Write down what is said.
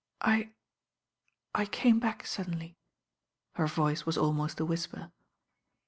"I — I came back iuddenly." Her voice was al most a whisper.